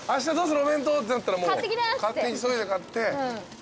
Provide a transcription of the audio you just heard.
お弁当」ってなったらもう急いで買って。